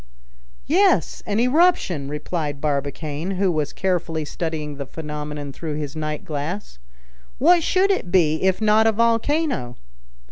"Yes, an eruption," replied Barbicane, who was carefully studying the phenomenon through his night glass. "What should it be, if not a volcano?"